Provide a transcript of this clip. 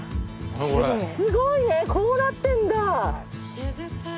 すごいねこうなってんだ！